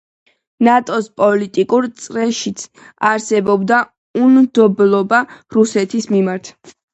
ნატოს პოლიტიკურ წრეშიც არსებობდა უნდობლობა რუსეთის მიმართ.